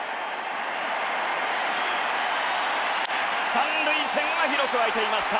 三塁線は広く空いていました。